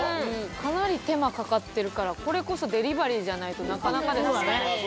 かなり手間かかってるからこれこそデリバリーじゃないとなかなかですね。